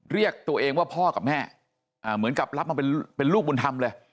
เรียกตัวเองว่าพ่อกับแม่เหมือนกับรับมาเป็นลูกบุญธรรมเลย